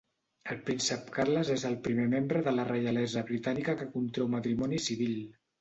El príncep Carles és el primer membre de la reialesa britànica que contreu matrimoni civil.